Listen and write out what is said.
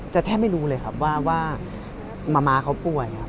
จะแทบไม่รู้เลยครับว่ามะมะเขาป่วยครับ